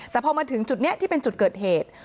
แต่พอมาถึงจุดนี้ที่เป็นจุดเกิดเหตุ